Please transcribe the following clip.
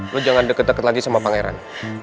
lo jangan deket deket lagi sama pangeran